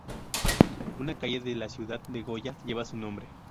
Una calle de la ciudad de Goya lleva su nombre.